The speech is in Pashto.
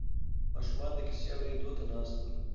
ماشومان د کیسې اورېدو ته ناست ول.